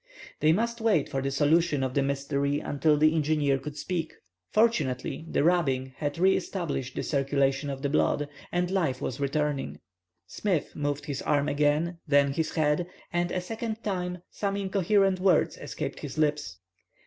They must wait for the solution of the mystery until the engineer could speak. Fortunately the rubbing had re established the circulation of the blood, and life was returning. Smith moved his arm again, then his head, and a second time some incoherent words escaped his lips.